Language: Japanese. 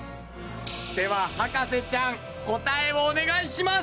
では博士ちゃん答えをお願いします。